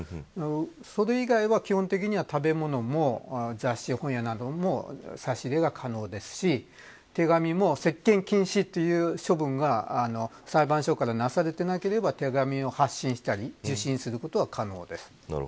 それ以外は基本的には食べ物も雑誌や本なども差し入れが可能ですし手紙も接見禁止という処分が裁判所から、なされていなければ手紙を発信したり受信することは可能です。